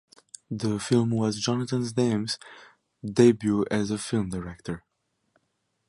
The film was Jonathan Demme's debut as a film director.